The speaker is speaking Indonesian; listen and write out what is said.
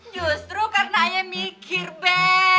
justru karena ayah mikir be